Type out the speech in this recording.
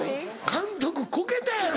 監督こけたやろ。